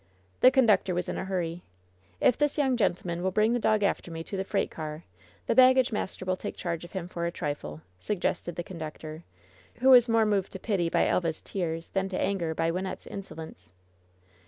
The conductor was in a hurry. "If this young gentleman will bring the dog after me to the f reis^ht ear, the baggage master will take charge of 174 LOVE'S BITTEREST CUP him for a trifle," suggested the conductor, who was more moved to pity by Elva's tears than to anger by Wyn nette's insolence.